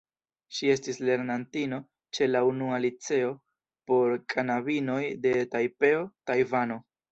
Ŝi estis lernantino ĉe la Unua Liceo por Knabinoj de Tajpeo, Tajvano.